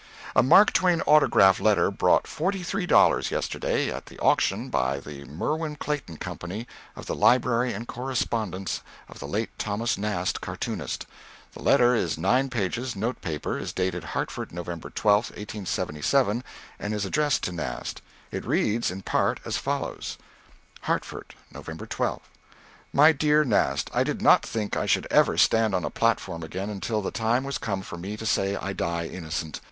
_ A Mark Twain autograph letter brought $43 yesterday at the auction by the Merwin Clayton Company of the library and correspondence of the late Thomas Nast, cartoonist. The letter is nine pages note paper, is dated Hartford, Nov. 12, 1877, and it addressed to Nast. It reads in part as follows: Hartford, Nov. 12. MY DEAR NAST: I did not think I should ever stand on a platform again until the time was come for me to say I die innocent.